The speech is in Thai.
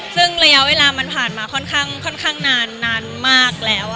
ซึ่งระยะเวลามันผ่านมาค่อนข้างนานมากแล้ว